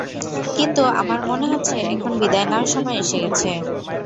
কিন্তু আমার মনে হচ্ছে এখন বিদায় নেওয়ার সময় এসে গেছে।